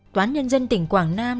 toán nhân dân tỉnh quảng nam